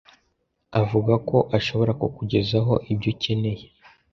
avuga ko ashobora kukugezaho ibyo ukeneye.